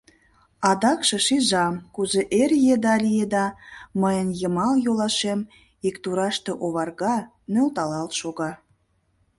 Адакше шижам, кузе эр еда лиеда, мыйын йымал йолашем иктураште оварга, нӧлталалт шога...